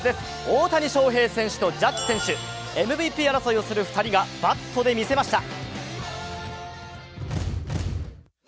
大谷翔平選手とジャッジ選手、МＶＰ争いをする２人がバットで見せました。